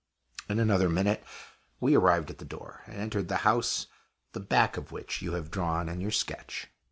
In another minute we arrived at the door, and entered the house, the back of which you have drawn in your sketch.